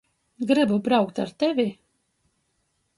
Grybu braukt ar tevi!